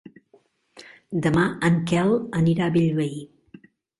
Demà en Quel anirà a Bellvei.